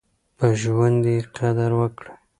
په ژوند يې قدر وکړئ.